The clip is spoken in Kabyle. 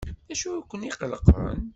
D acu ay ken-iqellqen?